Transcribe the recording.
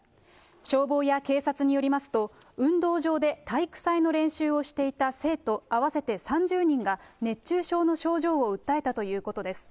消防警察によりますと、運動場で体育祭の練習をしていた生徒合わせて３０人が熱中症の症状を訴えたということです。